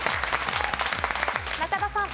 中田さん。